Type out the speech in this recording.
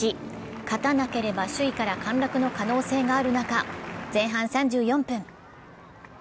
勝たなければ首位から陥落の可能性がある中、前半３４分。